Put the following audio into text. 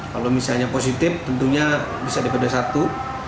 kalau misalnya positif tentunya bisa dipede satu